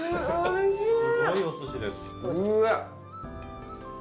おいしい。